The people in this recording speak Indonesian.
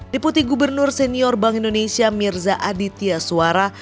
deputi gubernur senior bank indonesia mirza aditya suara